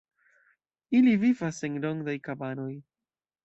Ili vivas en rondaj kabanoj.